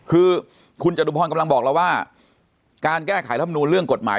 คือคุณจตุพรกำลังบอกเราว่าการแก้ไขรำนูลเรื่องกฎหมาย